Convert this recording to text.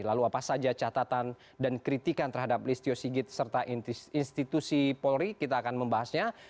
lalu apa saja catatan dan kritikan terhadap listio sigit serta institusi polri kita akan membahasnya